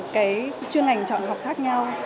cái chuyên ngành chọn học khác nhau